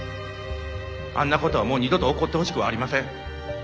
あんなことはもう二度と起こってほしくはありません。